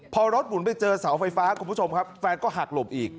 พอรถหมุนไปเจอเสาไฟฟ้าคุณผู้ชมครับแฟนก็หักหลบอีก